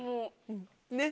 ねっ。